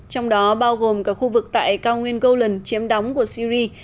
trong đó bao gồm cả khu vực tại cao nguyên gold chiếm đóng của syri